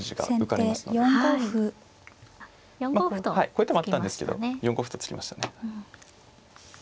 こういう手もあったんですけど４五歩と突きましたね。